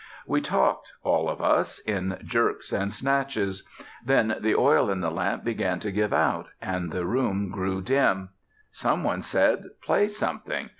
We talked all of us in jerks and snatches. Then the oil in the lamp began to give out, and the room grew dim. Some one said: "Play something!"